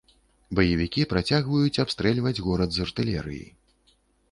Баевікі працягваюць абстрэльваць горад з артылерыі.